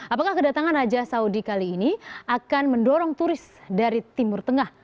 apakah kedatangan raja saudi kali ini akan mendorong turis dari timur tengah